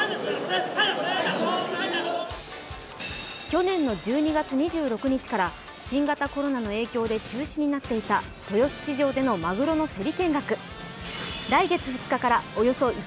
去年の１２月２６日から新型コロナの影響で中止になっていた豊洲市場でのまぐろの競り見学。